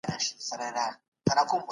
نور نباتات ډېرو اوبو ته اړتیا لري.